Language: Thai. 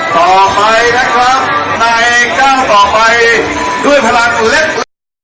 ต่อไปนะครับในก้าวต่อไปด้วยพลังเล็ก